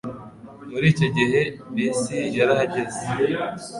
Muri icyo gihe, bisi yarahagaze.